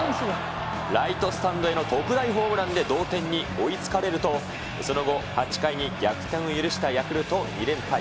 ライトスタンドへの特大ホームランで同点に追いつかれると、その後、８回に逆転を許したヤクルト、２連敗。